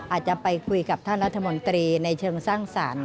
อาจจะไปคุยกับท่านรัฐมนตรีในเชิงสร้างสรรค์